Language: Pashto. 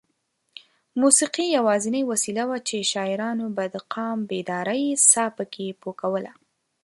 موسېقي یوازینۍ وسیله وه چې شاعرانو به د قام بیدارۍ ساه پکې پو کوله.